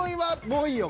もういいよ